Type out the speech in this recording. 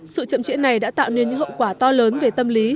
sự chậm trễ này đã tạo nên những hậu quả to lớn về tâm lý